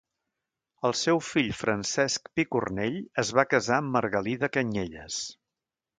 El seu fill Francesc Picornell es va casar amb Margalida Canyelles.